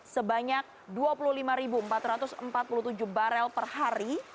sebanyak dua puluh lima empat ratus empat puluh tujuh barel per hari